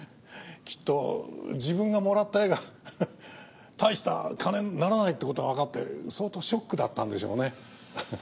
きっと自分がもらった絵が大した金にならないって事がわかって相当ショックだったんでしょうね。